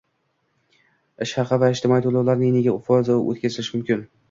Ish haqi va ijtimoiy to‘lovlarning necha foizi o‘tkazilishi mumkin?